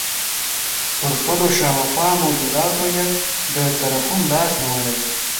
پر خپلو شاوخوا موجوداتو یې د ترحم لاس نیولی.